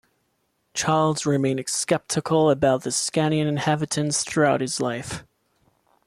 Charles remained sceptical about the Scanian inhabitants throughout his life.